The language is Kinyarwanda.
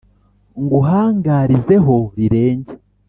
nguhangarize ho rirenge,